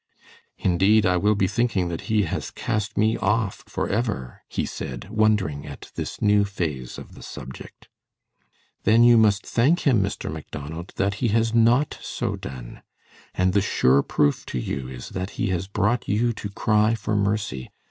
"Indeed, I will be thinking that He has cast me off forever," he said, wondering at this new phase of the subject. "Then you must thank Him, Mr. Macdonald, that He has not so done; and the sure proof to you is that He has brought you to cry for mercy.